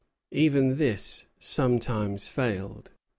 Even this sometimes failed.